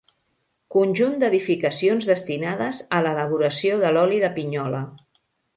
Conjunt d'edificacions destinades a l'elaboració de l'oli de pinyola.